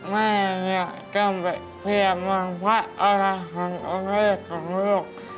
แม่อยากกลับไปเผยมาพระอารหันต์ของลูก